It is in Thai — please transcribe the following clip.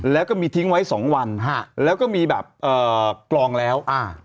แล้วก็มีทิ้งไว้สองวันแล้วก็มีแบบกลองแล้ว